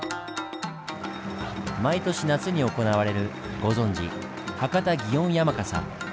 毎年夏に行われるご存じ博多園山笠。